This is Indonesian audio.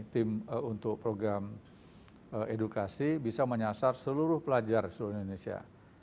tim untuk program edukasi bisa menyasar seluruh pelajar seluruh indonesia